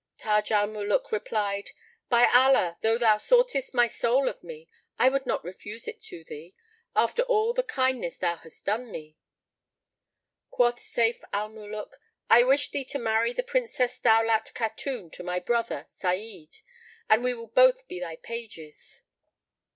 Taj al Muluk replied, "By Allah, though thou soughtest my soul of me, I would not refuse it to thee, after all the kindness thou hast done me!" Quoth Sayf al Muluk, "I wish thee to marry the Princess Daulat Khatun to my brother Sa'id, and we will both be thy pages."